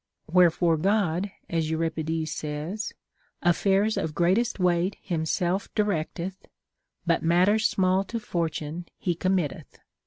Wherefore God, as Euri pides says, Afiairs of greatest weight himself directeth, But matters small to Fortune he committeth.